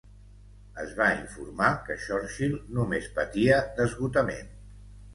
Es va informar que Churchill només patia d'esgotament.